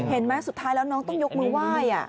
เห็นไหมสุดท้ายแล้วน้องต้องยกมือไหว้